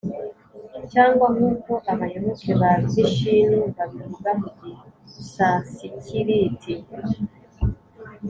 cyangwa nk’uko abayoboke ba vishinu babivuga mu gisansikiriti